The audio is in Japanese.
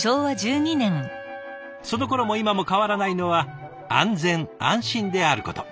そのころも今も変わらないのは安全安心であること。